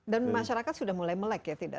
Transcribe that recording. dan masyarakat sudah mulai melek ya tidak